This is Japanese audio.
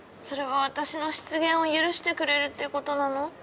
それは私の失言を許してくれるってことなの？